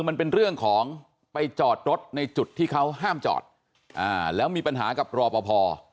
มันเป็นเรื่องของไปจอดรถในจุดที่เขาห้ามจอดอ่าแล้วมีปัญหากับรอปภ